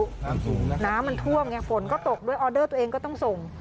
น้ำสูงแล้วน้ำมันท่วมไงฝนก็ตกด้วยออเดอร์ตัวเองก็ต้องส่ง